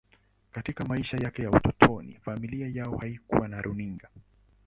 Katika maisha yake ya utotoni, familia yao haikuwa na runinga.